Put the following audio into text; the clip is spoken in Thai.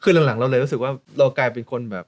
คือหลังเราเลยรู้สึกว่าเรากลายเป็นคนแบบ